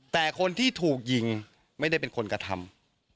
แต่คนที่ถูกยิงไม่ได้เป็นคนกระทำ